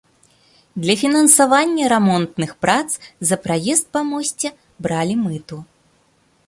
Для фінансавання рамонтных прац за праезд па мосце бралі мыту.